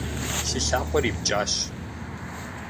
Си лъакъуэр ипкӏащ.